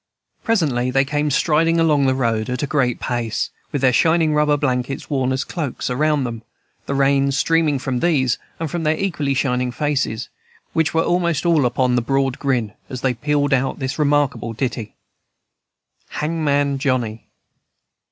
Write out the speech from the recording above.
Presently they came striding along the road, at a great pace, with their shining rubber blankets worn as cloaks around them, the rain streaming from these and from their equally shining faces, which were almost all upon the broad grin, as they pealed out this remarkable ditty: HANGMAN JOHNNY.